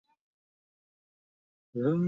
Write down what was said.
জয় প্রভু আইয়াপা!